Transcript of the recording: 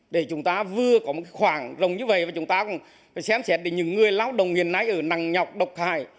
để chúng ta vừa có một khoảng rồng như vậy và chúng ta cũng xem xét đến những người lao động hiện nay ở nặng nhọc độc hại